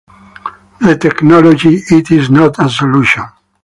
The technology, it is not a solution.